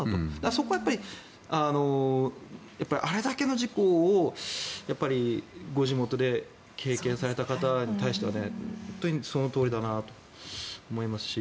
そこはやっぱりあれだけの事故を地元で経験された方に対しては本当にそのとおりだなと思いますし。